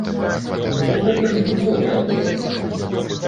У гэтым не было неабходнасці.